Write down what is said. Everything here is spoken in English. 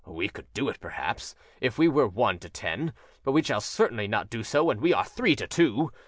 "We could do it, perhaps, if we were one to ten; but we shall certainly not do so when we are three to two.